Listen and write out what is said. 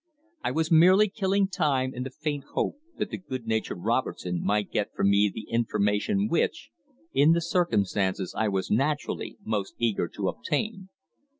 I was merely killing time in the faint hope that the good natured Robertson might get for me the information which, in the circumstances, I was naturally most eager to obtain.